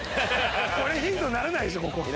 これヒントにならないでしょ。